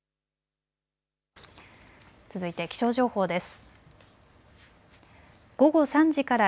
続いて気象情報です。